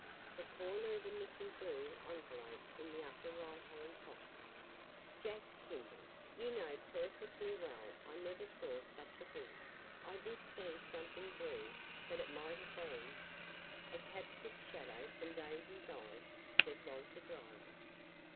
The corner of the missing blue envelope in the upper right hand pocket " "Jack Kimball! You know perfectly well I never said such a thing. I did see something blue, but it might have been " "A captured shadow from Daisy's eyes," said Walter dryly.